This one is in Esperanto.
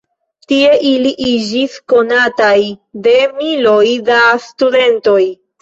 Tie ili iĝis konataj de miloj da studentoj.